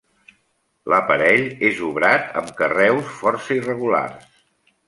L'aparell és obrat amb carreus força irregulars.